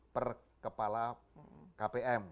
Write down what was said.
per kepala kpm